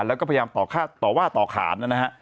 แล้วก็พยายามต่อว่าต่อขานนะฮะ